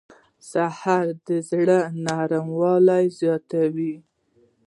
سهار د زړه نرموالی زیاتوي.